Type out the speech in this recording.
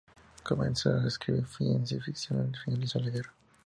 Comenzó a escribir ciencia ficción al finalizar la guerra.